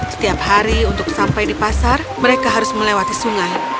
setiap hari untuk sampai di pasar mereka harus melewati sungai